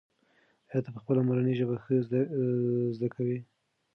ایا ته خپله مورنۍ ژبه ښه زده کوې؟